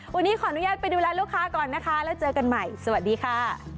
วันนี้ขออนุญาตไปดูแลลูกค้าก่อนนะคะแล้วเจอกันใหม่สวัสดีค่ะ